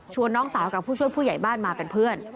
น้องสาวกับผู้ช่วยผู้ใหญ่บ้านมาเป็นเพื่อน